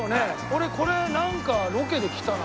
俺これなんかロケで来たな。